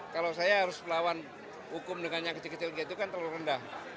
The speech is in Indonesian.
kalau saya harus lawan hukum dengan yang kecil kecil gitu kan terlalu rendah